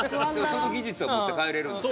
その技術を持って帰れるんですね